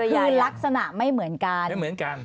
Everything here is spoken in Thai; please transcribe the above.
คือลักษณะไม่เหมือนกันไม่เหมือนกัน